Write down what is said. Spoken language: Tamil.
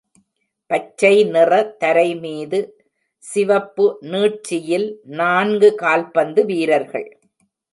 பச்சை நிற தரை மீது சிவப்பு நீட்சியில் நான்கு கால்பந்து வீரர்கள்.